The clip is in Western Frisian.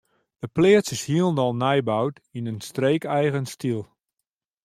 De pleats is hielendal nij boud yn in streekeigen styl.